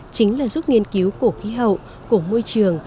chính là giúp nghiên cứu cổ khí hậu cổ môi trường